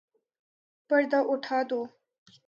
پردہ اٹھادو